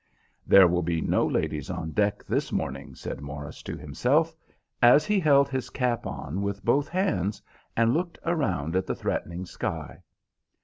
"There will be no ladies on deck this morning," said Morris to himself, as he held his cap on with both hands and looked around at the threatening sky.